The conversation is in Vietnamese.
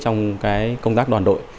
trong công tác đoàn đội